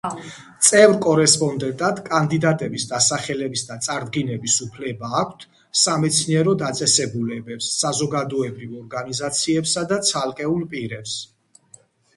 წევრ-კორესპონდენტად კანდიდატების დასახელების და წარდგინების უფლება აქვთ სამეცნიერო დაწესებულებებს, საზოგადოებრივ ორგანიზაციებსა და ცალკეულ პირებს.